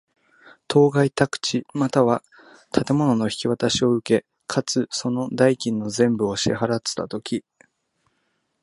当該宅地又は建物の引渡しを受け、かつ、その代金の全部を支払つたとき。